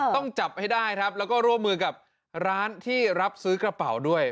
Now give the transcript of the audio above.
ต้องจับให้ได้ครับแล้วก็ร่วมมือกับร้านที่รับซื้อกระเป๋าด้วย